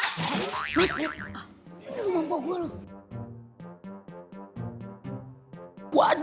ini rumah bawa gua loh